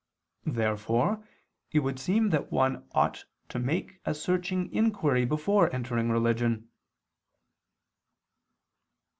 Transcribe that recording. Therefore it would seem that one ought to make a searching inquiry before entering religion.